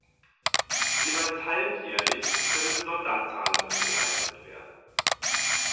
Jeweils halbjährlich können Sonderzahlungen geleistet werden.